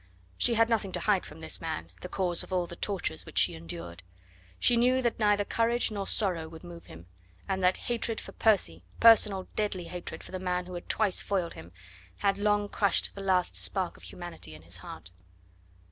She had nothing to hide from this man, the cause of all the tortures which she endured. She knew that neither courage nor sorrow would move him, and that hatred for Percy personal deadly hatred for the man who had twice foiled him had long crushed the last spark of humanity in his heart.